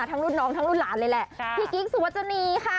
ทั้งอั่งลูกทำรุ่นน้าเร็วละส